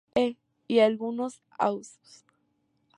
E, y algunos Ausf.